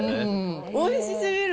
おいしすぎる。